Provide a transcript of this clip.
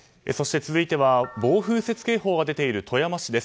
続いては暴風雪警報が出ている富山市です。